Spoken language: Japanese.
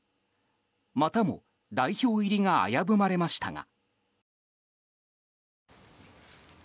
またも、代表入りが危ぶまれましたが。